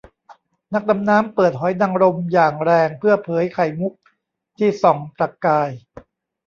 นักดำน้ำเปิดหอยนางรมอย่างแรงเพื่อเผยไข่มุกที่ส่องประกาย